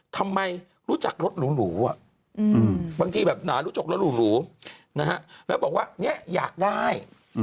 ทำไมรู้จักรสหลูอะบางทีหนาลูชกรสหลูนะฮะและบอกว่าเนี่ยอยากได้